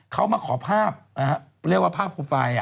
เขามาขอภาพเรียกว่าภาพโปรไฟล์